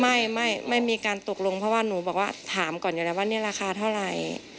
ไม่ไม่มีการตกลงเพราะว่าหนูบอกว่าถามก่อนอยู่แล้วว่านี่ราคาเท่าไหร่